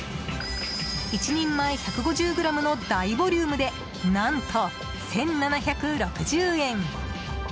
１人前１５０ｇの大ボリュームで何と、１７６０円。